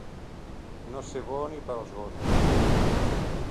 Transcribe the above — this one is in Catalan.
No ser bo ni per als gossos.